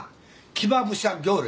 騎馬武者行列？